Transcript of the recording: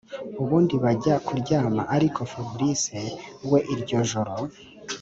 ubundi bajya kuryama ariko fabric we iryo joro